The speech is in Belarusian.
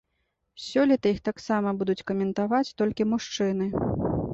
Сёлета іх таксама будуць каментаваць толькі мужчыны.